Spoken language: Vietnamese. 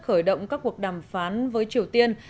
khởi động các cuộc đàm phán với triều tiên